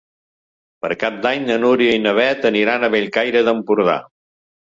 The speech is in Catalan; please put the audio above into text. Per Cap d'Any na Núria i na Beth aniran a Bellcaire d'Empordà.